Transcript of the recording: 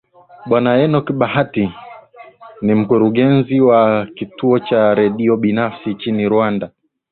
bwana enock bahati ni ni mkurugenzi wa kituo cha redio binafsi nchini rwanda